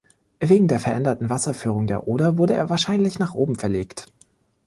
Wegen der veränderten Wasserführung der Oder wurde er wahrscheinlich nach oben verlegt.